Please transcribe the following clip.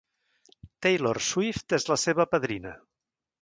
Taylor Swift és la seva padrina.